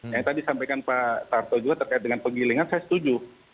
yang tadi sampaikan pak tarto juga terkait dengan penggilingan saya setuju